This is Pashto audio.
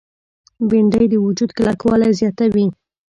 بېنډۍ د وجود کلکوالی زیاتوي